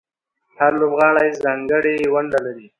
هر لوبغاړی ځانګړې ونډه لري.